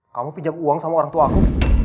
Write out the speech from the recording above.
kamu pinjam uang sama orangtuaku